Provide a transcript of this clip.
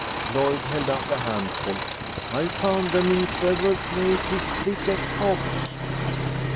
Lloyd held up a handful. "I found them in several places, thick as hops."